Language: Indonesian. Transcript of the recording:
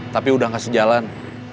tapi udah gak sejalan